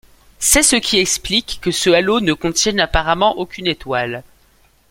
C'est ce qui explique que ce halo ne contienne apparemment aucune étoile.